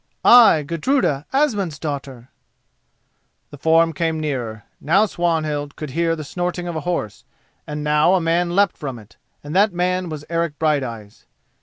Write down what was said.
"I, Gudruda, Asmund's daughter." The form came nearer; now Swanhild could hear the snorting of a horse, and now a man leapt from it, and that man was Eric Brighteyes.